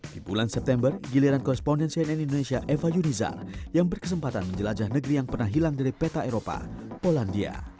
di bulan september giliran koresponden cnn indonesia eva yunizar yang berkesempatan menjelajah negeri yang pernah hilang dari peta eropa polandia